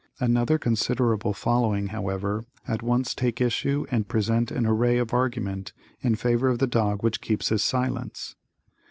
Another considerable following, however, at once take issue and present an array of argument in favor of the dog which keeps his silence.